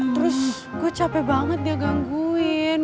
terus gue capek banget dia gangguin